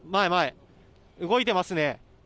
動いてますね。